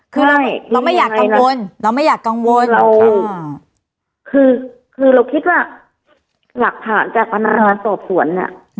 คือเราไม่อยากกังวลเราไม่อยากกังวลเราคือเราคิดว่าหลักฐานจากพนักงานสอบสวนเนี่ย